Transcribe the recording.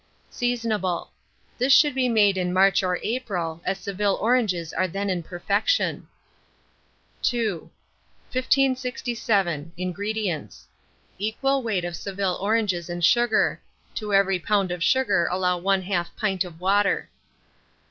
Seasonable. This should be made in March or April, as Seville oranges are then in perfection. II. 1567. INGREDIENTS. Equal weight of Seville oranges and sugar; to every lb. of sugar allow 1/2 pint of water.